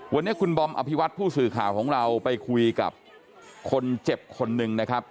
วันนี้คุณบอมอภิวัตผู้สื่อข่าวของเราไปคุยกับคนเจ็บคนหนึ่งนะครับ